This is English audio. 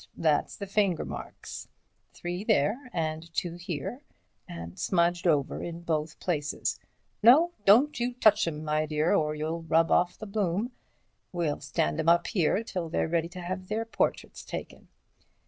That's the finger marks—three there, and two here, and smudged over in both places. No, don't you touch 'em, my dear, or you'll rub the bloom off. We'll stand 'em up here till they're ready to have their portraits taken.